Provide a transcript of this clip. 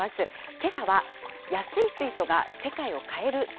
けさは安い水素が世界を変える！